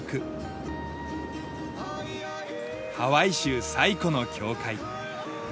ハワイ州最古の教会。